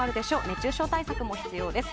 熱中症対策も必要です。